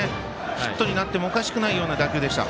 ヒットになってもおかしくないような打球でした。